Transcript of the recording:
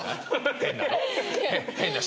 変なの。